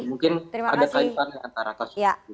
mungkin ada kaitannya antara kasus itu